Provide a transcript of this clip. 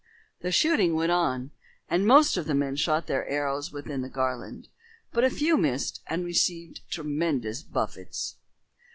The shooting went on, and most of the men shot their arrows within the garland, but a few missed and received tremendous buffets.